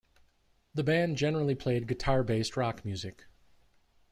The band generally played guitar-based rock music.